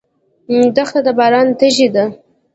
دښته د باران تږې ده.